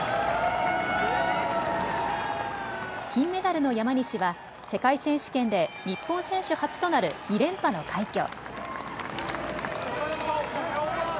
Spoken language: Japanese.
金メダルの山西は世界選手権で日本選手初となる２連覇の快挙。